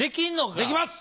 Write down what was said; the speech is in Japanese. できます！